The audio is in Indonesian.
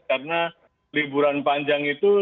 karena liburan panjang itu